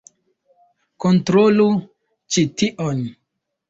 Kontrolu ĉi tion!